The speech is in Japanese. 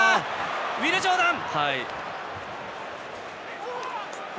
ウィル・ジョーダン！